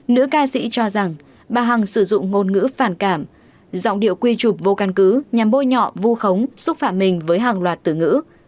nữ ca sĩ cho rằng bà hằng sử dụng ngôn ngữ phản cảm giọng điệu quy chụp vô căn cứ nhằm bôi nhọ vu khống xúc phạm mình với hàng loạt từ ngữ